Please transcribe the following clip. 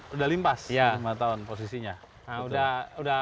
udah limpas lima tahun posisinya